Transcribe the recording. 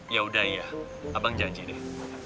ya udah ya abang janji deh